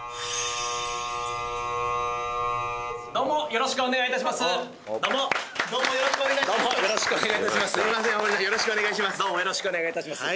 よろしくお願いします